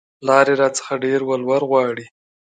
پلار يې راڅخه ډېر ولور غواړي